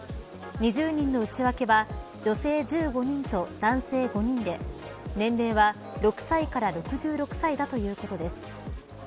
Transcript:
２０人の内訳は女性１５人と男性５人で年齢は６歳から６６歳だということです。